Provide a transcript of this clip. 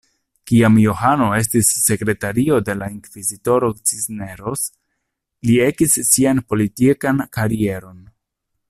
Kiam Johano estis sekretario de la inkvizitoro Cisneros, li ekis sian politikan karieron.